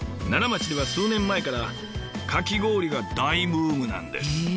奈良町では数年前からかき氷が大ブームなんです。